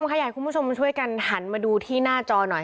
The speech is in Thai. ค่ะอยากให้คุณผู้ชมช่วยกันหันมาดูที่หน้าจอหน่อย